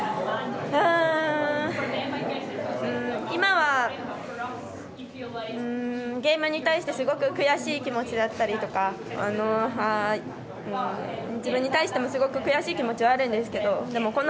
今はゲームに対してすごく悔しい気持ちだったりとか自分に対しても、すごく悔しい気持ちはあるんですけども